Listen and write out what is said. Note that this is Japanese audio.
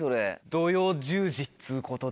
土曜１０時っつうことで。